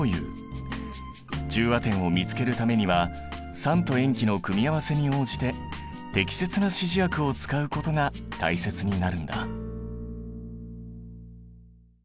中和点を見つけるためには酸と塩基の組み合わせに応じて適切な指示薬を使うことが大切になるんだ。